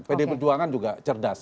pd perjuangan juga cerdas